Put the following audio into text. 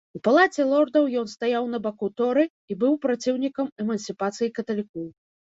У палаце лордаў ён стаяў на баку торы і быў праціўнікам эмансіпацыі каталікоў.